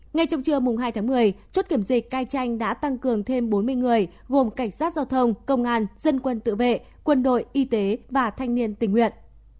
ngay trong trưa hai tháng một mươi chốt kiểm dịch cai tranh đã tăng cường thêm bốn mươi người gồm cảnh sát giao thông công an dân quân tự vệ quân đội y tế và thanh niên tình nguyện